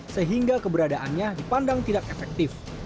sehingga keberadaannya dipandang tidak efektif